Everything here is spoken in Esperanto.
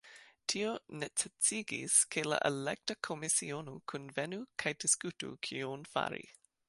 Tio necesigis, ke la elekta komisiono kunvenu kaj diskutu kion fari.